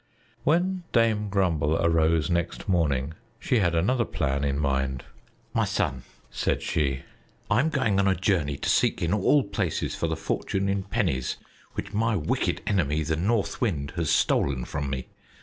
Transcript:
When Dame Grumble arose next morning, she had another plan in mind. "My son," said she, "I am going on a journey to seek in all places for the fortune in pennies which my wicked enemy, the North Wind, has stolen from me.